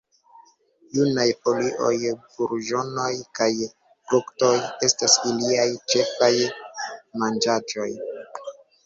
Junaj folioj, burĝonoj kaj fruktoj estas iliaj ĉefaj manĝaĵoj.